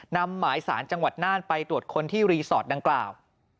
นำหมายสารจังหวัดน่านไปตรวจคนที่รีสอร์ทดังกล่าว